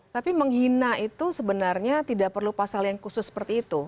tapi menghina itu sebenarnya tidak perlu pasal yang khusus seperti itu